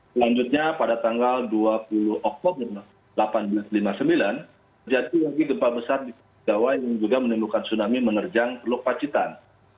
selanjutnya pada tanggal dua puluh oktober seribu delapan ratus lima puluh sembilan terjadi lagi gempa besar di pulau jawa yang juga menimbulkan tsunami menerjang teluk pacitan